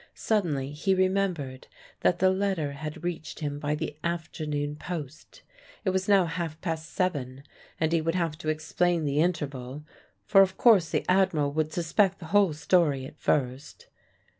Suddenly he remembered that the letter had reached him by the afternoon post. It was now half past seven, and he would have to explain the interval; for of course the Admiral would suspect the whole story at first.